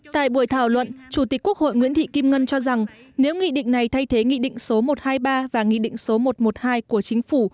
tại buổi thảo luận chủ tịch quốc hội nguyễn thị kim ngân cho rằng nếu nghị định này thay thế nghị định số một trăm hai mươi ba và nghị định số một trăm một mươi hai của chính phủ